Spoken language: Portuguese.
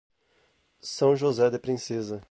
São José de Princesa